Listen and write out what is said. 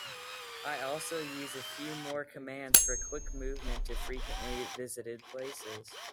I also use a few more commands for quick movement to frequently visited places.